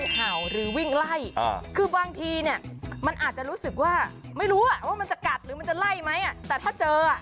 ห์ลรีวิ่งไล่ว่างทีเนี่ยมันอาจจะรู้สึกว่าไม่รู้ว่ามันจะกัดหรือว่าใดเม็ดแต่ถ้าเจอ